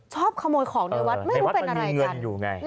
ชอบขโมยของในวัดไม่รู้เป็นอะไรกันในวัดมันมีเงินอยู่ไง